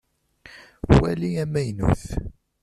Wali amaynut.